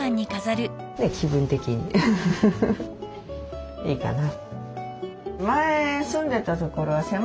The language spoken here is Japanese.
気分的にいいかな。